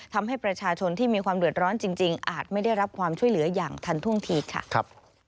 ทำให้ประชาชนที่มีความเดือดร้อนจริงอาจไม่ได้รับความช่วยเหลืออย่างทันท่วงทีค่ะ